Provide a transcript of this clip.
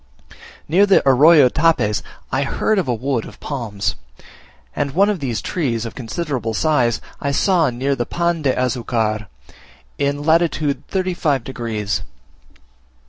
Near the Arroyo Tapes I heard of a wood of palms; and one of these trees, of considerable size, I saw near the Pan de Azucar, in lat. 35 degs.